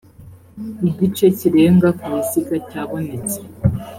igice kirenga ku biziga cyabonetse